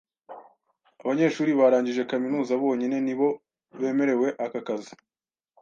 Abanyeshuri barangije kaminuza bonyine ni bo bemerewe aka kazi.